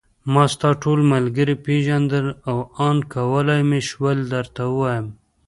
ما ستا ټول ملګري پېژندل او آن کولای مې شول درته ووایم.